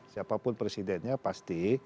siapapun presidennya pasti